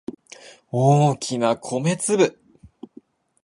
大きな米粒